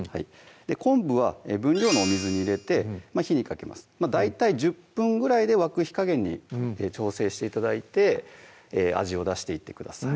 昆布は分量のお水に入れて火にかけます大体１０分ぐらいで沸く火加減に調整して頂いて味を出していってください